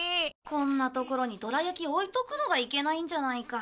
こんなところにドラ焼き置いとくのがいけないんじゃないか。